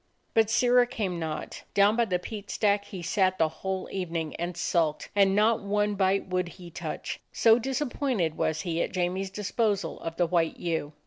But Sirrah came not. Down by the peat stack he sat the whole evening and sulked, and not one bite would he touch, so disappointed was he at Jamie's disposal of the white ewe.